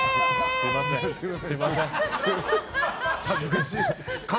すみません。